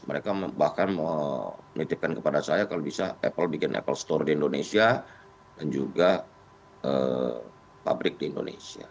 mereka bahkan menitipkan kepada saya kalau bisa apple bikin apple store di indonesia dan juga pabrik di indonesia